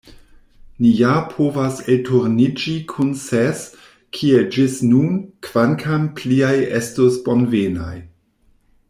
Ni ja povas elturniĝi kun ses, kiel ĝis nun, kvankam pliaj estus bonvenaj.